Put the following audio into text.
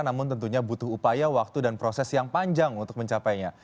namun tentunya butuh upaya waktu dan proses yang panjang untuk mencapainya